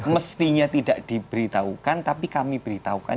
mestinya tidak diberitahukan tapi kami beritahukan